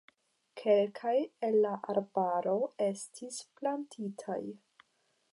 Kelkaj el la arbaro estis plantitaj.